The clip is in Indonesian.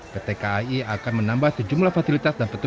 pt kai akan menambah sejumlah fasilitasan